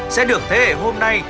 sẽ được thế hệ hôm nay